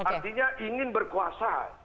artinya ingin berkuasa